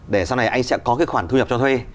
để sau này anh sẽ có cái khoản thu nhập cho thuê